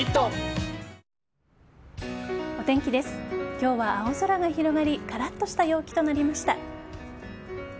今日は青空が広がりカラッとした陽気となりました。